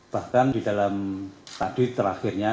bahkan di dalam tadi terakhirnya